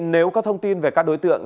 nếu có thông tin về các đối tượng